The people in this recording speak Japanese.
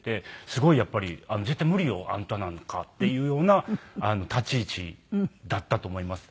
すごいやっぱり「絶対無理よあんたなんか」っていうような立ち位置だったと思います。